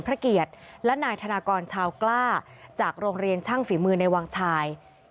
พนากรชาวกล้าจากโรงเรียนช่างฝีมือในวังชาย